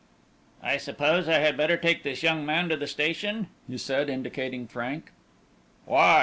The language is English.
"I suppose I had better take this young man to the station?" he said, indicating Frank. "Why?"